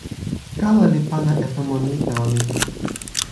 kala li pana e tomo ni tawa mi tu.